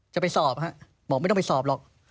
จะไปสอบฮะบอกไม่ต้องไปสอบหรอก